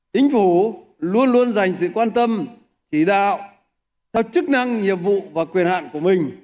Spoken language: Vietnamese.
chính phủ luôn luôn dành sự quan tâm chỉ đạo theo chức năng nhiệm vụ và quyền hạn của mình